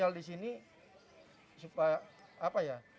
tinggal di sini supaya apa ya